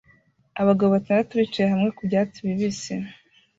Abagabo batandatu bicaye hamwe ku byatsi bibisi